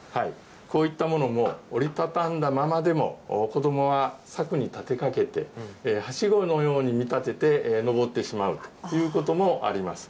こういったものも折り畳んだままでも子どもは柵に立てかけて、はしごのように見立てて登ってしまうということもあります。